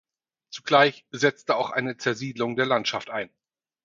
Zugleich setzte auch eine Zersiedelung der Landschaft ein.